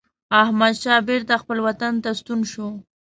احمدشاه بیرته خپل وطن ته ستون شو.